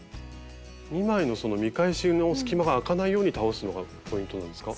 ２枚のその見返しの隙間があかないように倒すのがポイントなんですか？